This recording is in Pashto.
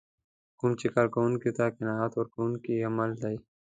کوم چې کار کوونکو ته قناعت ورکوونکي عوامل دي.